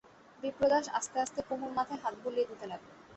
বিপ্রদাস আস্তে আস্তে কুমুর মাথায় হাত বুলিয়ে দিতে লাগল।